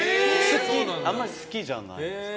あんまり好きじゃない。